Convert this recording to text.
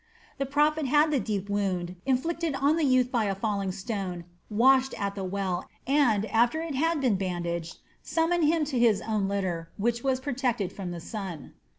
The prophet had the deep wound, inflicted on the lad by a falling stone, washed at the well and, after it had been bandaged, summoned him to his own litter, which was protected from the sun.